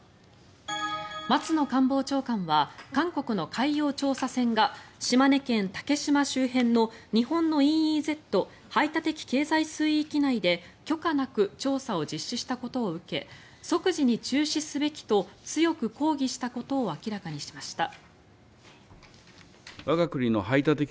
松野官房長官は韓国の海洋調査船が島根県・竹島周辺の日本のＥＥＺ・排他的経済水域内で許可なく調査を実施したことを受け即時に中止すべきと強く抗議したことを明らかにしました。